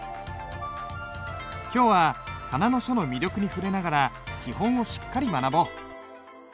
今日は仮名の書の魅力に触れながら基本をしっかり学ぼう。